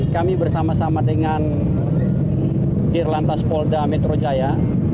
kami bersama sama dengan direkturat lintas polda metro jaya